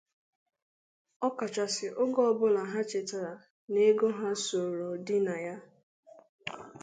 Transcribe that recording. ọ kachasị oge ọbụla ha chètàrà na ego ha sòrò dị na ya.